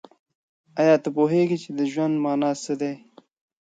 آیا ته پوهېږې چې د ژوند مانا څه ده؟